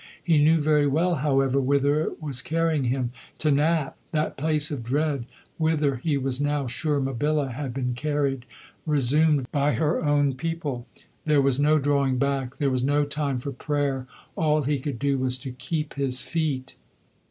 He knew very well, however, whither it was carrying him: to Knapp, that place of dread, whither he was now sure Mabilla had been carried, resumed by her own people. There was no drawing back, there was no time for prayer. All he could do was to keep his feet.